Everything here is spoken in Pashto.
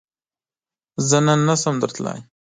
زۀ نن نشم درتلای